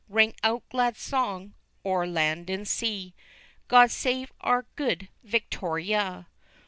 Ring out glad song o'er land and sea; God save our Good Victoria!